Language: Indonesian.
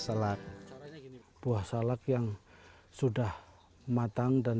salak buah salak yang sudah matang dan